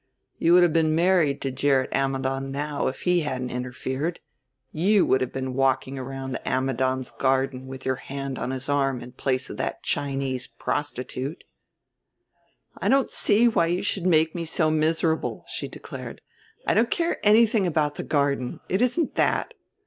You would have been married to Gerrit Ammidon now if he hadn't interfered; you would have been walking about the Ammidons' garden with your hand on his arm in place of that Chinese prostitute." "I don't see why you should make me so miserable," she declared. "I don't care anything about the garden, it isn't that.